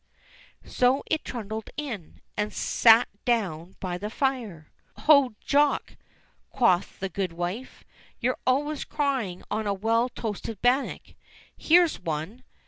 So it trundled in, and sate down by the fire. "Ho, Jock!" quoth the goodwife, "you're always crying on a well toasted bannock. Here's one